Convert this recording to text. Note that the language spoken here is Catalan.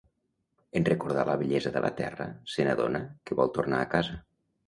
En recordar la bellesa de la Terra, se n'adona que vol tornar a casa.